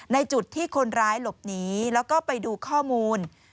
ในจุดที่คนร้ายหลบหนีแล้วก็ไปดูข้อมูล